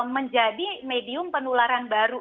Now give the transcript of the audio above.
menjadi medium penularan baru